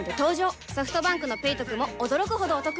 ソフトバンクの「ペイトク」も驚くほどおトク